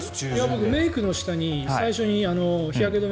僕メイクの下に最初に日焼け止め